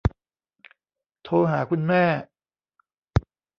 โทรหาคุณแม่